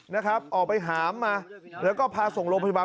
นะครับออกไปหามมาหรือก็พาส่งโรปธิบาล